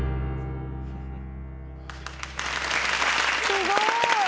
すごい。